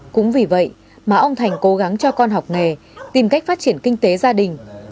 cũng vì vậy mà ông thành cố gắng cho con học nghề tìm cách phát triển kinh tế gia đình